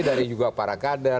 dari juga para kader